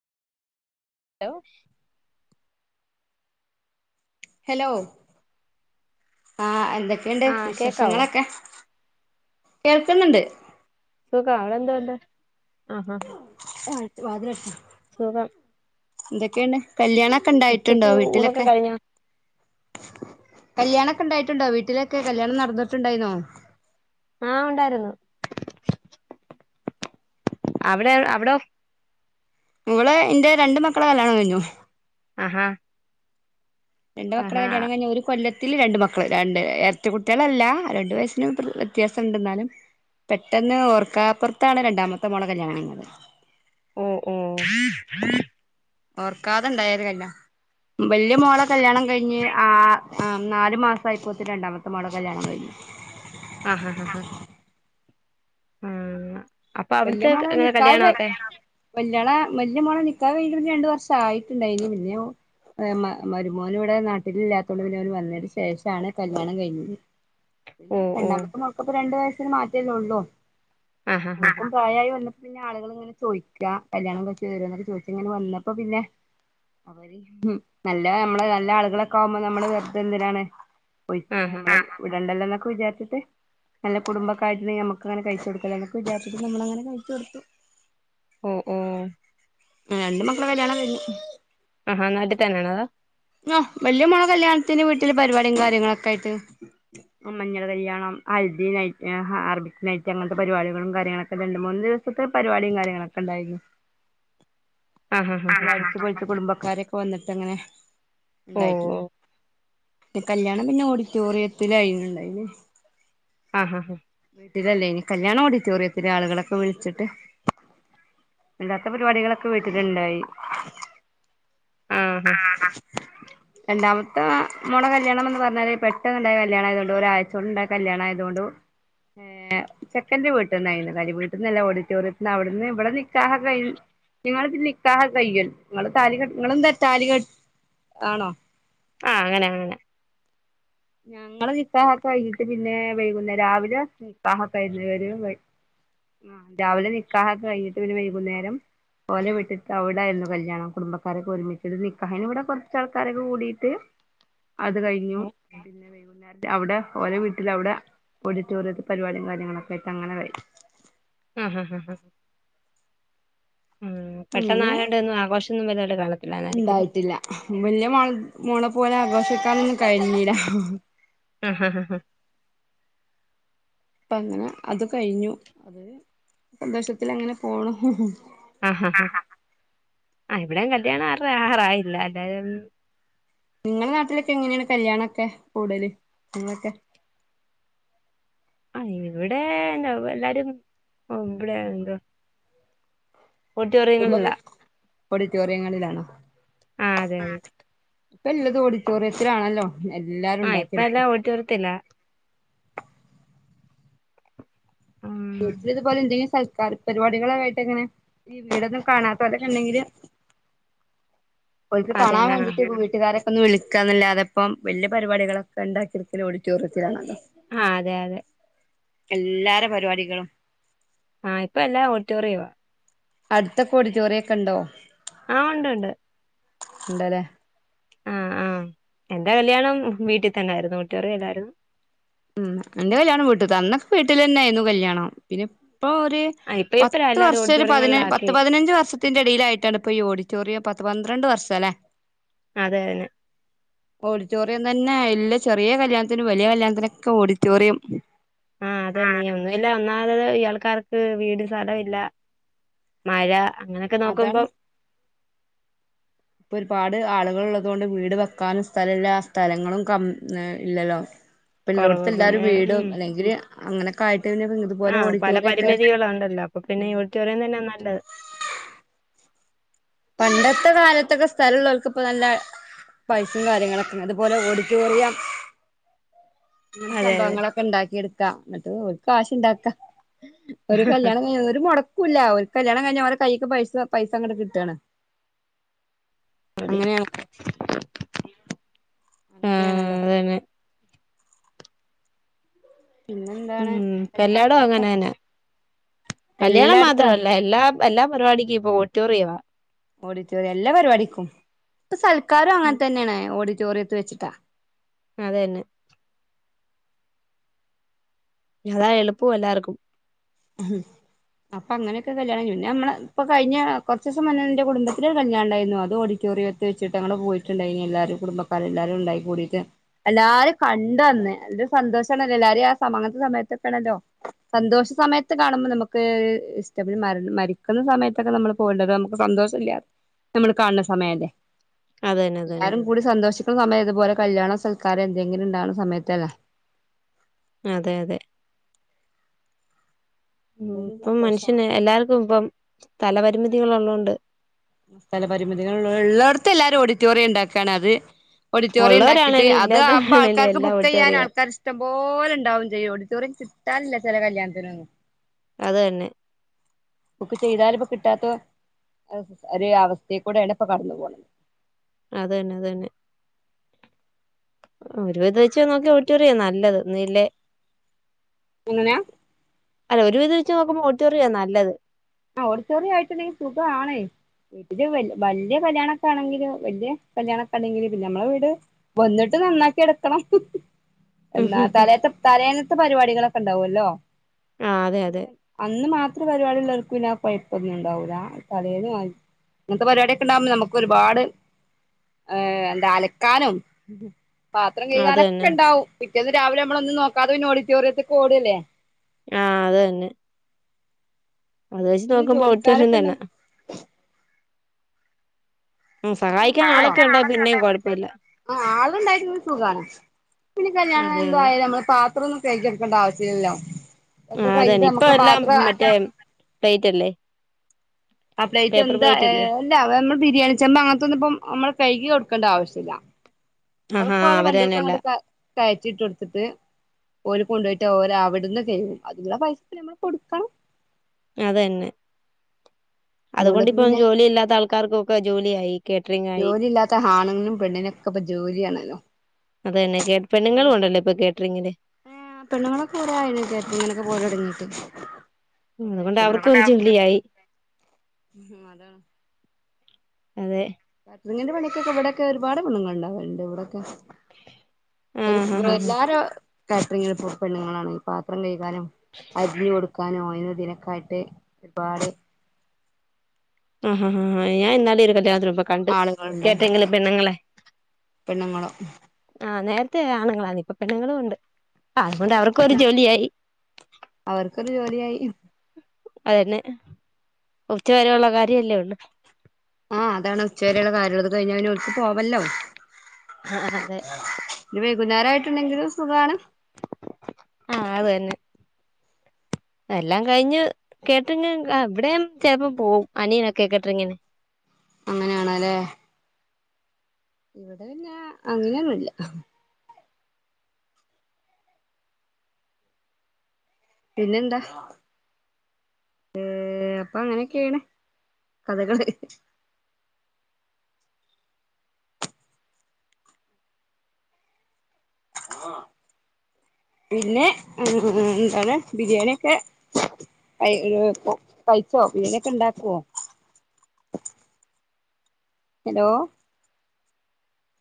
Hello hello ആഹ് എന്തൊക്കെയുണ്ട് ആഹ് കേക്കാവോ വിശേഷങ്ങളൊക്കെ കേൾക്കുന്നുണ്ട് [unintelligible] അവടെ എന്താണ്ട ആഹ് ഹാ ആഹ് വാതിലടച്ചോ സുഖം എന്തൊക്കെയാണ് കല്യാണൊക്കെ ഇണ്ടായിട്ടുണ്ടോ ഉച്ചക്ക് ഊണൊക്കെ വീട്ടിലൊക്കെ കഴിഞ്ഞോ കല്യാണൊക്കെ ഉണ്ടായിട്ടുണ്ടോ വീട്ടിലൊക്കെ കല്യാണം നടന്നിട്ടുണ്ടായിന്നോ ആഹ് ഉണ്ടായിരുന്നു അവിടെ അവിടൊ ങ്ങള് ന്റെ രണ്ട് മക്കളെ കല്യാണം കഴിഞ്ഞു ആഹാ രണ്ട് മക്കളെ ആഹാ കല്യാണം കഴിഞ്ഞു ഒരു കൊല്ലത്ത് ൽ രണ്ട് മക്കള് രണ്ട് എർട്ട കുട്ടിളല്ല രണ്ടു വയസിന് വ്യത്യാസം ഉണ്ടെന്നാലും പെട്ടെന്ന് ഓർക്കാപ്പുറത്താണ് രണ്ടാമത്തെ മോളെ കല്യാണം കഴിഞ്ഞത് ഓ ഓ ഓർക്കാതെ ഉണ്ടായൊരു കല്യാണം വല്യ മോളെ കല്യാണം കഴിഞ്ഞ് ആഹ് നാലു മാസയിപ്പോത്ത് രണ്ടാമത്തെ മോള കല്യാണം കഴിഞ്ഞ് ആഹ് ഹാ ആഹ് ആഹ് അപ്പൊ വല്യ മോളെ അവിടുത്തെങ്ങനെ നിക്കാഹ് കഴി കല്യാണൊക്കെ വല്യാളെ വല്യ മോളെ നിക്കാഹ് കഴിഞ്ഞിട്ട് രണ്ട് വർഷം ആയിട്ടണ്ടായിനി മരുമോൻ ഇവിടെ നാട്ടിലില്ലാതോണ്ട് വന്നയ്ൻ്റെ ശേഷാണ് കല്യാണം കഴിഞ്ഞത് [inaudible] പിന്നെ ഓ രണ്ടാമത്തെ മേൾക്കിപ്പോ രണ്ടു വയസ്സന് മാറ്റേല്ലേ ഉള്ളൂ ആഹാ ഹാ ഹാ പ്രായായോണ്ട് പിന്നെ ആളുകൾ ഇങ്ങനെ ചോയ്ക്ക കല്യാണം കയ്ച്ചെരോന് ചോദിച്ചങ്ങനെ വന്നപ്പോ പിന്നെ അവര് നല്ല നമ്മള നല്ല ആളുകളൊക്കെ ആകുമ്പോ നമ്മ വെറുതെന്തിനാണ് ആഹാ മ്മ ഹാ ഇടണ്ടല്ലോ എന്നൊക്കെ വിചാരിച്ചിട്ട് നല്ല കുടുംബൊക്കെയിട്ട് നമ്മക്ക് അങ്ങനെ കഴിച്ച കൊടുക്കെ വിജാർച്ചപ്പം നമ്മളങ്ങനെ കഴിച്ചൊടുത്തു ഓ ഓ ആഹ് രണ്ട് മക്കളെ കല്യാണം [unintelligible] ആഹാ നാട്ടി തന്നെയാണോ അതോ ആഹ് വല്യ മോള കല്യാണത്തിന് വീട്ടില് പരിപാടിയും കാര്യങ്ങളൊക്കെയിട്ട് മഞ്ഞൾ കല്യാണം ഹൽദി നൈറ്റ് ഹാർബിക് നൈറ്റ് അങ്ങനത്തെ പരിപാടികളും കാര്യങ്ങളൊക്കെ രണ്ട് മൂന്ന് ഇത്തെ പരിപാടി കാര്യങ്ങളൊക്കെണ്ടായിരുന്നു [inaudible] [unintelligible] ആഹാ ഹാ ഹാ കഴിച്ചു പഴിച്ച കുടുംബക്കാരൊക്കെ വന്നിട്ട്ങ്ങനെ ഓ ഉണ്ടായിട്ടില്ല ഓ കല്യാണം പിന്നെ ഓഡിറ്റോറിയത്തി ലായിരുന്നുണ്ടായിനേ ആഹ് ആഹ് ഹാ വീട്ടിലല്ലേനി കല്യാണ ഓഡിറ്റോറിയത്തിലെ ആളുകളൊക്കെ വിളിച്ചിട്ട് ഇല്ലാത്ത പരിപാടികളൊക്കെ വീട്ടിലുണ്ടായി ആഹാ ഹ ആഹ് രണ്ടാമത്തെ മോളെ കല്യാണംന്ന് പറഞ്ഞാല് പെട്ടെന്നുണ്ടായ കല്യാണം ആയതൊണ്ട് ഒരാഴ്ച്ചോണ്ട്ണ്ടായ കല്യാണായതുകൊണ്ട് ഏഹ് ചെക്കന്റെ വീട്ടന്നായിരുന്നു കരി വീട്ടന്നല്ല ഓഡിറ്റോറിയത്തിന്ന് അവിടെന്ന് ഇവിടെ നി നിങ്ങിക്കാഹ കയ്യും നിങ്ങൾ താലി കെട്ട് കെ നിങ്ങ എന്താ താലി കെ ആണോ ആഹ് അങ്ങനെ അങ്ങനെ ഞങ്ങള് നിക്കാഹൊക്കെ കൈഞ്ഞിട്ട് പിന്നെ വൈകുന്നേ രാവിലെ നിക്കാഹ കഴുന്നവര ആഹ് രാവിലെ നിക്കാഹൊക്കെ കഴിഞ്ഞിട്ട് പിന്നെ വൈകുന്നേരം പോഓലെ വിട്ട് അവിടെ ആയിരുന്നു കല്യാണം കുടുംബക്കാരൊക്കെ ഒരുമിച്ചട്ട് നിക്കാഹിന് വിടെ കൊർച്ച് ആളൊക്കെ കൂടിട്ട് [inaudible] അത് കഴിഞ്ഞു പിന്നെ വൈകുന്നേരത്തി അവിടെ ഓരോ വീട്ടില അവിടെ ഓഡിറ്ററിയത്തിൽ പരിപാടിം കാര്യങ്ങളൊക്ക ആയിട്ട്ങ്ങെനെ കഴിഞ്ഞു ആഹ് ആഹ് ഹാ ആഹ് പെട്ടെന്ന് അങ്ങനെ ആയതോണ്ട് ഒന്നും ആഘോഷൊന്നും വല്ലത കാണത്തില്ലന്നായിരിക്കല്ലേ ഉണ്ടായിട്ടില്ല വല്യ മോള പോലെ ആഘോഷിക്കാനൊന്നും കഴിഞ്ഞില്ല ആഹ് ഹാ ആ ഹ് പ്പങ്ങനെ അത് കഴിഞ്ഞു സന്തോഷത്തിലങ്ങനെ പോണു ആഹ് ഹ ഹാ ആ ഇവിടെം കല്യാണം ആരുടെ ആകാറായില്ല എല്ലരും നിങ്ങളെ നാട്ടിലൊക്കെ എങ്ങനെയാണ് കല്യാണൊക്കെ കൂടല് നിങ്ങളൊക്കെ? ഇവിടെന്ത വ എല്ലാരും ഇവിടെ എന്തോ ഓഡിറ്റോറിയങ്ങളിലാ ഓഡിറ്റോറിയങ്ങളിലാണോ? ആഹ് അതെ അതെ. ഇപ്പൊ എല്ലതും ഓഡിറ്റോറിയത്തിലാണല്ലോ എല്ലാരും ഉണ്ടാക്കൽ. റ്റോർത്തില്ല ആഹ് വീട്ടില ഇതുപോലെ എന്തെില സക്കാർ പരിപാടികള ആയിട്ട് അങ്ങനെ ഈ വീടൊന്നും കാണാത്ത ഓലൊക്കെണ്ടെങ്കില്. ഒക്ക് കാണാൻ അതന്നെ ആഹ് വേണ്ടിട്ട് വീട്ടുകാരെ ഒന്ന് വിളിക്കാന്നല്ലാതപ്പം വല്ല്യ പരിപാടികളൊക്കെ ഉണ്ടാക്കിടക്കൽ ഓഡിറ്റോറിയത്തികാണാല്ലോ. ആഹ് അതെ അതെ എല്ലാര പരിപാടികളും ആഹ് ഇപ്പ എല്ലാ ഓഡിറ്റോറിയോ. അടുത്തൊക്കെ ഓഡിറ്റോറിയൊക്കെ ഉണ്ടോ? ആഹ് ഉണ്ട് ഉണ്ട് ഉണ്ടല്ലേ? ആഹ് ആഹ് എന്റെ കല്ല്യാണം വീട്ടിൽ തന്നൊയിരുന്നു, ഓഡിറ്റോറിയല്ലായിരുന്നു. ഉം എന്റെ കല്യാണം വീട്ടത് അന്നൊക്കെ വീട്ടിലെന്നയ്ന്നു കല്യാണം പിന്നെ ഇപ്പൊ ഒരു ആഹ് ഇപ്പ ഇപ്പഴാ പത്ത് എല്ലാരും വർഷ ഒരു പതിന പത്ത് ഓഡിറ്റോറിയങ്ങളിലാക്കി പതിനഞ്ച് വർഷ ത്തിന്റെറെ ഇയിയിലായിട്ടാണ് ഇപ്പ ഈ ഓഡിറ്ററിയം പത്ത് പന്ത്രണ്ട് വർഷം അല്ലേ? അതെ അതെ ഓഡിറ്റോറിയം തന്നെ എല്ല ചെറിയ കല്യാണത്തിനും വലിയ കല്യാണത്തിനൊക്കെ ഓഡിറ്റോറിയം. ആഹ് അത നീ ഒന്നു ഇല്ല ഒന്നാമത് ഇയാൾക്കാർക്ക് വീട് സ്ഥലം ഇല്ല മഴ അങ്ങനെയൊക്കെ നോക്കുമ്പോ അതാണ് ഇപ്പോ ഒരുപാട് ആളുകളള്ളതോണ്ട് വീട് വെക്കാനും സ്ഥലല്ല ആ സ്ഥലങ്ങളും കം ഇല്ലല്ലോ, ഇപ്പ [inaudible] കുറവ് എല്ലോടത്തും എല്ലാരും പിന്നെ ഉ വീടും അല്ലെങ്കില് അങ്ങനൊക്കെ ആയിട്ട് പിന്നെ ഇതുപോലെ ആഹ പല ഓഡിറ്റോറിയം ഒക്കെ പരിമിതികള ഉണ്ടല്ലോ അപ്പൊ പിന്നെ ഇവി.. സ്റ്ററിയതന്നാണ് നല്ലത്. പണ്ടത്തെ കാലത്തൊക്കെ സ്ഥലള്ളോൽക്ക് ഇപ്പ നല്ല പൈസിം കാര്യങ്ങളൊക്കെ അതുപോലെ ഓഡിറ്റോറിയം [inaudible] ഇങ്ങനത്തെ അതെ സംഭവങ്ങളൊക്കെ ണ്ടാക്കി എടുക്കാം എന്നട്ട് ഓല്ക് കാശുണ്ടാക്കാ.. ഒരു കല്യാണം കഴിഞ്ഞഞ് ഒരു മുടക്കൂല്ല ഓല്ക് കല്യാണം കഴിഞ്ഞാ ഓലെ കയ്ക്ക് പൈസ പൈസ അങ്ങട്ട് കിട്ടാണ്. അതെ, അങ്ങനെയാണല്ലോ അങ്ങനെയാണല്ലോ ആഹ് അതന്നെ പിന്നെ എന്താണ് ഉം ഇപ്പ എല്ലായിടും കല്യാണത്തിന്റെ ഒക്കെ.. അങ്ങനെന്നെ കല്യാണം മാത്രമല്ല എല്ലാ എല്ലാ പരിപാടിക്കും ഇപ്പൊ ഒടിട്ടോറിയവാ.. ഓഡിറ്റോറിയം എല്ലാം പരിപാടിക്കും ഇപ്പ സൽക്കാരും അങ്ങൻതന്നെയാണ് ഓഡിറ്റോറിയത്ത് വെച്ചിട്ട്.. അത തന്നെ താ എളുപ്പവും എല്ലാർക്കും, ഉ അപ്പൊ അങ്ങനൊക്കെ കല്യാണം പിന്നെ നമ്മളെ ഇപ്പൊ കഴിഞ്ഞ കുറച്ച് ദിവസം മുന്നേ ന്റെ കുടബത്തിലൊരു കല്യാണം ണ്ടായിരുന്നു അത് ഓഡിട്ടോറിയ തെച്ചിട്ട്ങ്ങ പോയിട്ടുണ്ടായിനി എല്ലാരും കുടുംബക്കാര എല്ലാരും ഉണ്ടായി കൂടിട്ട്.. എല്ലാരും കണ്ടന്ന്‌ ല്ലൊ സന്തോഷണല്ലോ എല്ലാരിം ആ സമാ സമയത്തൊക്കൊണല്ലോ.. സന്തോഷ സമയത്ത്.. കാണുമ്പോ നമുക്ക് ഇഷ്ട പി മാര് മരിക്കുന്ന സമയത്തൊക്കെ നമ്മള് പോകേണ്ടത് നമുക്ക് സന്തോഷം ഇല്ല.. നമ്മള് കാണണ സമയ അല്ലേ.. അതന്നെ അതന്നെ എല്ലാരും കൂടി സന്തോഷിക്കുന്ന സമയം ഇതുപോലെ കല്യാണ സൽക്കാരം എന്തെങ്കിലും ഉണ്ടാവണ സമയത്തല്ല.. അതെ അതെ ഉ അതൊരു ഇപ്പം മനുഷ്യന് സന്തോഷാണ് എല്ലാർക്കും ഇപ്പം സ്ഥലപരിമിതികൾ ഉള്ളതോണ്ട്, സ്ഥല പരിമിതികൾ ഉള്ള ഉള്ളോട്ത് എല്ലാരും ഓഡിറ്റോറിയം ഉണ്ടാക്കാണ് അത്.. ഓഡിറ്റോറിയം ഉണ്ടാക്കിയിട്ട് ഉള്ളവരാണേലും അത് അപ്പ ഇല്ലാത്തവരാണേലും ആൾക്കാർക്ക് എല്ലാം ബുക്ക് ചെയ്യാൻ ഓഡിറ്റോറിയവാ ആൾക്കാർ സ് ഇഷ്ടം പോലെണ്ടാവും ചെയ്യും ഓഡിറ്റോറിയം കിട്ടാനില്ല ചെല കല്യാണത്തിനൊന്നും അത് തന്നെ ബുക്ക് ചെയ്താല് ഇപ്പോ കിട്ടാത്ത ഒരു അവസ്ഥക്കൂടെ ആണ് ഇപ്പൊ കടന്നു പോകണത് അത് തന്നെ അത് തന്നെ ഒരുവിധം ഇത് വെച്ച് നോക്കിയാ ഓഡിറ്റോറിയം നല്ലത് എന്നാല്ലെ എങ്ങനെയാ അല്ല ഒരു വിധ വെച്ച് നോക്കുമ്പോ ഓഡിറ്റൊറിയ നല്ലത് ആ ഓഡിറ്റോറിയം ആയിട്ട്ണ്ടെങ്കിൽ സുഖാണേ വീട്ടില് വലിയ കല്യാണൊക്കെ ആണെങ്കില് വല്യ കല്യാണൊക്കെ ആണെങ്കിലില്ന്നെ നമ്മളെ വീട് വന്നിട്ട് നന്നാക്കി എടുക്കണം ഉം എന്നാ തലേത്തെ തലേന്നത്തെ പരിപാടികളൊക്കെ ഉണ്ടാവല്ലോ ആഹ് അതെ അതെ അന്ന് മാത്രം പരിപാടി ഉള്ളോൽക്ക് ഇന്ക് ആ കൊയ്പ്പൊന്നും ഉണ്ടാവൂല പിന്നെ കൊഴപ്പം ഒന്നും ഉണ്ടാവൂല്ലാ തലേന്ന് [inaudible] ഇങ്ങനത്തെ പരിപാടൊക്കെ ഉണ്ടാവകുമ്പോ നമു ഒരുപാട് ഏ എന്താ അലക്കാനും പാത്രം അത് തന്നെ കഴുകാനൊക്കെ ണ്ടാവും പിറ്റേന്ന് രാവിലെ നമ്മളൊന്നും നോക്കാതെ ഓഡിറ്റോറിയത്തേക്ക് ഓടല്ലേ ആഹ അതന്നെ അത് വെച്ച് വീട്ടില് നോക്കുമ്പോ ഓഡിറ്റോറിയം ജോലിക്കാരൊക്കെ തന്നെ ഉണ്ടെങ്കിൽ ഉം സഹായിക്കാൻ ആളൊക്കെ അയിന് ഉണ്ടേ ആളെ പിന്നേം കണ്ടാ പിന്നെ കൊഴപ്പല്ല ആ ആളുണ്ടായി പിന്നെ സുഖാ പിന്നെ കല്യാണം അതെ എന്തോ അതെ ആയാലും നമ്മള് പാ ഇത്രൊന്നും തേചെടുക്കേണ്ട ആവശ്യമില്ലല്ലോ ആ ഒക്കെ കഴുകിട്ട് അതന്നെ ഇപ്പം നമുക്ക് എല്ലാം പാത്രം മറ്റേ പ്ലേറ്റ്ല്ലേ ആ പ്ലേറ്റ് എന്ത അല്ലേ ഏഹ് അല്ല നമ്മൾ ബിരിയാണി ചെമ്പ അങ്ങനത്തൊന്നും ഇപ്പ നമ്മൾ കഴുകി കൊടുക്കേണ്ട ആവശ്യല്ല ആഹാ അതകൊലെ അവരന്നെ വണ്ടിയക്ക് അല്ല അങ്ങ ക കയറ്റി ഇട്ട് കൊടുത്തിട്ട് ഓര് കൊണ്ടു പോയിട്ട് ഓര് അവിടുന്ന് കഴുകും അതിനുള്ള പൈസ നമ്മള് കൊടുക്കണം അതന്നെ അതുകൊണ്ടിപ്പോ അതുകൊണ്ടിപ്പം പിന്നെ ജോലിയില്ലാത്ത ആൾക്കാർക്കൊക്കെ ജോലിയായി കേറ്ററിംഗ് ആയി ജോലിയില്ലാത്ത ആണിനും പെണ്ണിനു മൊക്കെ ഇപ്പ ജോലിയാണല്ലോ അ തന്നെ കേ പെണ്ണുങ്ങളും ഇണ്ടല്ലോ ഇപ്പോ കേറ്ററിങ്ങിന് ഏഹ് പെണ്ണുങ്ങളൊക്കെ കൊറേ ആയിന് കേറ്ററിങ്ങിന് പോവൽ തൊടങ്ങീട്ട് അതുകൊണ്ട് [inaudible] അവർക്കും ഒരു ജോലിയായി അതാണ് അതെ [unintelligible] ങ്ങിന്റെ പണിക്കൊക്കെ ഇവിടൊക്കെ ഒരുപാട് പെണ്ണുങ്ങൾ ഉണ്ടാവല് ണ്ട് ഇവിടൊക്കെ ഒരു ആഹ് ആഹ് ആഹ് എല്ലാര കാറ്ററിങ്ങിനും ഇപ്പോ പെണ്ണുങ്ങളാണ് പാത്രം കൈകാനും അരിഞ്ഞു കൊടുക്കാനും അയിനും ഇതിനുക്കായിട്ട് ഒരുപാട് അഹ ഹ ഹാ ഞാന് ന്നാൾ ഒരു കല്യാണത്തിന് പോയ കണ്ടു ആളുകളുണ്ടാവും കേട്ടെറിങ്ങിലും പെണ്ണുങ്ങളെ പെണ്ണുങ്ങളോ ആഹ് നേരത്തെ ആണുങ്ങളാണ് ഇപ്പ പെണ്ണുങ്ങളും ഉണ്ട് അതുകൊണ്ട് അവർക്കും ഒരു ജോലിയായി [inaudible] അവർക്കൊരു ജോലിയായി അതന്നെ ഉച്ച വരെയുള്ള കാര്യല്ലേ ഒള്ളൂ ആ അതാണ് ഉച്ചവരെള്ള കാര്യള്ളത് അത് കഴിഞ്ഞാ ഓൽക്ക് പോവല്ലോ ആഹ് അതെ ഇനി വൈകുന്നേരയിട്ടുണ്ടെങ്കിലും സുഖാണ് ആഹ് അതന്നെ എല്ലാം കഴിഞ്ഞ് [inaudible] എവിടെയും ചെിലപ്പം പോവും അനിയനൊക്കെ കേറ്ററിംഗിന് അങ്ങനെയാണ് ല്ലേ ഇവിടെ പിന്നെ അങ്ങനെയൊന്നുല്ല പിന്നെന്താ ഏഹ് അപ്പൊ അങ്ങനെയൊക്കെയാണ് കഥകള് മ്മാ പിന്നെ എന്താണ് ബിരിയാണിയൊക്കെ [unintelligible] പൈച്ചോ ബിരിയാണിയൊക്കെ ഉണ്ടാക്കോ ഹലോ